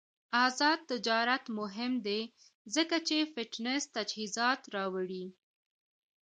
آزاد تجارت مهم دی ځکه چې فټنس تجهیزات راوړي.